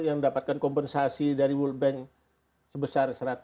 yang mendapatkan kompensasi dari world bank sebesar satu ratus sepuluh juta dolar itu